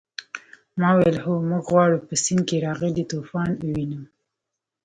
ما وویل هو موږ غواړو په سیند کې راغلی طوفان ووینو.